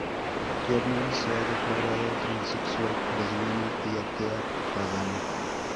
Kiernan se ha declarado transexual, lesbiana y atea pagana.